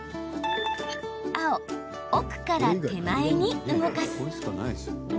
青・奥から手前に動かす。